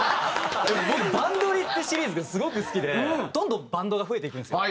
僕『バンドリ！』ってシリーズがすごく好きでどんどんバンドが増えていくんですよ。